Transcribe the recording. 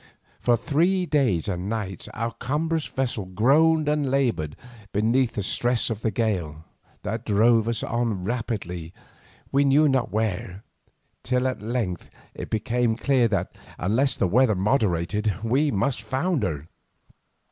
For three days and nights our cumbrous vessel groaned and laboured beneath the stress of the gale, that drove us on rapidly we knew not whither, till at length it became clear that, unless the weather moderated, we must founder.